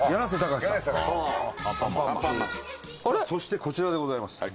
そしてこちらでございます。